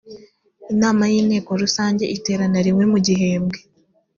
inama y’inteko rusange iterana rimwe mu gihembwe